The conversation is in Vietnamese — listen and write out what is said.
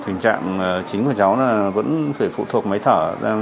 tình trạng chính của cháu vẫn phải phụ thuộc máy thở